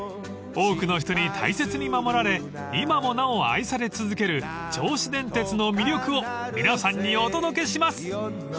［多くの人に大切に守られ今もなお愛され続ける銚子電鉄の魅力を皆さんにお届けします］